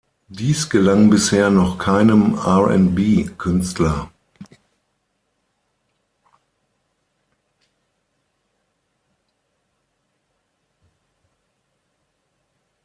Dies gelang bisher noch keinem R&B Künstler.